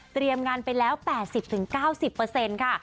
เตรียมงานไปแล้ว๘๐๙๐ค่ะ